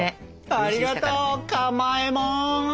ありがとうかまえもん！